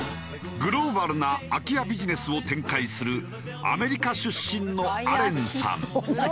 グローバルな空き家ビジネスを展開するアメリカ出身のアレンさん。